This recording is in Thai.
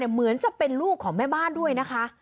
เหมือนจะเป็นลูกของแม่บ้านด้วยนะคะ